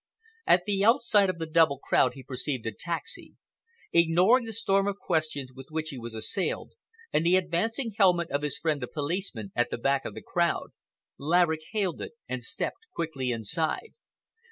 At the outside of the double crowd he perceived a taxi. Ignoring the storm of questions with which he was assailed, and the advancing helmet of his friend the policeman at the back of the crowd, Laverick hailed it and stepped quickly inside.